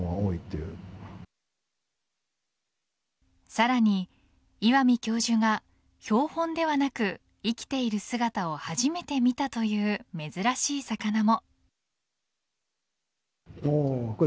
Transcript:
さらに、岩見教授が標本ではなく生きている姿を初めて見たという珍しい魚も。